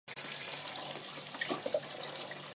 尚书瞿景淳之次子。